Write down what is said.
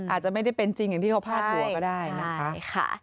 อาจจะไม่ได้เป็นจริงอย่างที่เขาพาดหัวก็ได้นะคะ